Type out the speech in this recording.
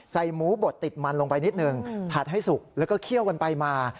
หมูบดติดมันลงไปนิดนึงผัดให้สุกแล้วก็เคี่ยวกันไปมา